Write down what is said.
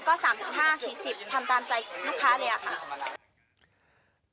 ก็๓๕๔๐บาททำตามใจนักคร้าวเลยเดี๋ยวคะ